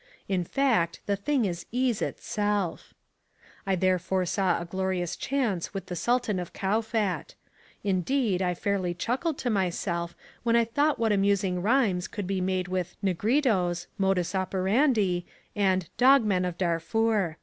In fact, the thing is ease itself. I therefore saw a glorious chance with the Sultan of Kowfat. Indeed, I fairly chuckled to myself when I thought what amusing rhymes could be made with "Negritos," "modus operandi" and "Dog Men of Darfur."